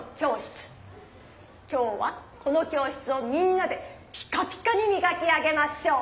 今日はこの教室をみんなでピカピカにみがき上げましょう。